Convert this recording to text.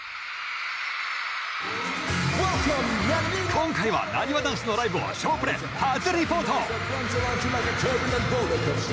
今回はなにわ男子のライブを「少プレ」初リポート！